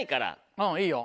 うんいいよ。